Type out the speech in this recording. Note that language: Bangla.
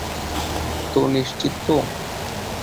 তুই নিশ্চিত তো?